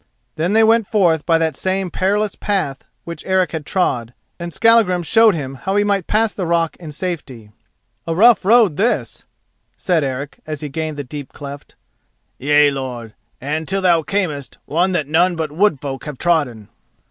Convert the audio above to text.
Then they went forth by that same perilous path which Eric had trod, and Skallagrim showed him how he might pass the rock in safety. "A rough road this," said Eric as he gained the deep cleft. "Yea, lord, and, till thou camest, one that none but wood folk have trodden."